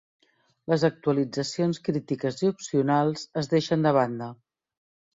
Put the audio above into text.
Les actualitzacions crítiques i opcionals es deixen de banda.